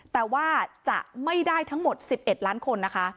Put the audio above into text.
แต่ว่าจะไม่ได้ทั้งหมด๑๑ล้านคนนะคะ